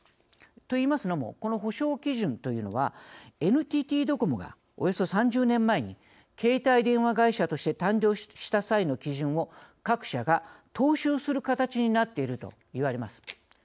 といいますのもこの補償基準というのはＮＴＴドコモがおよそ３０年前に携帯電話会社として誕生した際の基準を各社が踏襲する形になっているといわれます。